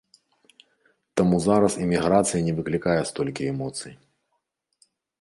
Таму зараз эміграцыя не выклікае столькі эмоцый.